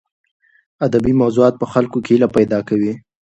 ادبي موضوعات په خلکو کې هیله پیدا کوي.